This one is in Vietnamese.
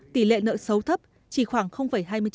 tỷ lệ nợ xấu thấp chỉ khoảng hai mươi chín